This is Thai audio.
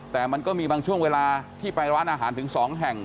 แต่มันก็มีบางช่วงเวลาที่ไปร้านอาหารถึง๒แห่ง